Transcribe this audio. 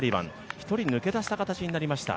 一人抜け出した形になりました。